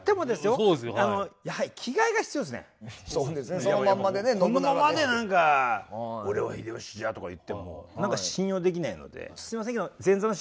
このままで何か「俺は秀吉じゃ」とか言っても何か信用できないので。